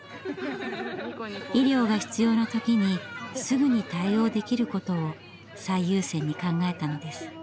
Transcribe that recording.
医療が必要な時にすぐに対応できることを最優先に考えたのです。